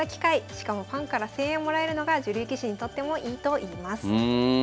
しかもファンから声援もらえるのが女流棋士にとってもいいといいます。